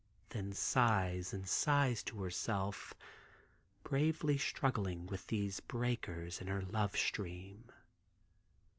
Then sighs and sighs to herself, bravely struggling with these breakers in her love stream.